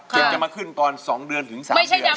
จุดจะมาขึ้นตอนสองเดือนถึงสามเดือน